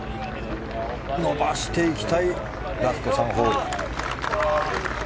伸ばしていきたいラスト３ホール。